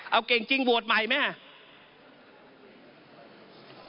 เอาเก่งจริงโหวตใหม่แม่